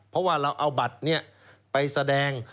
เพราะว่าเราเอาบัตรนี้ไปแสดง